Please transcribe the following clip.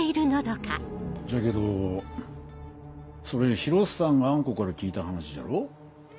じゃけどそれひろっさんがあん子から聞いた話じゃろ？